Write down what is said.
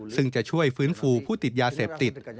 ซึ่งจะช่วยฟื้นฟูผู้ติดยาเสพติด